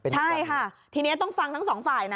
ใช่ค่ะทีนี้ต้องฟังทั้งสองฝ่ายนะ